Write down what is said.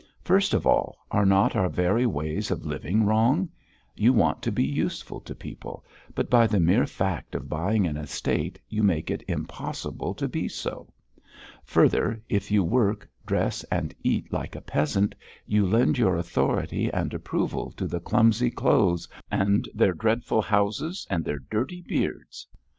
First of all, are not our very ways of living wrong? You want to be useful to people, but by the mere fact of buying an estate you make it impossible to be so. Further, if you work, dress, and eat like a peasant you lend your authority and approval to the clumsy clothes, and their dreadful houses and their dirty beards....